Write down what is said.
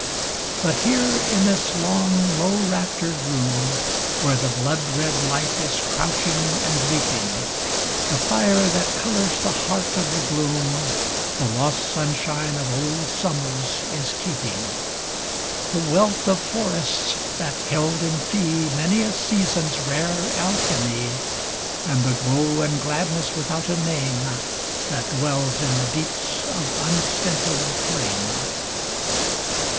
But here, in this long, low raftered room. Where the blood red light is crouching and leaping, The fire that colors the heart of the gloom The lost sunshine of old summers is keeping — The wealth of forests that held in fee Many a season's rare alchemy. And the glow and gladness without a name That dwells in the deeps of unstinted flame.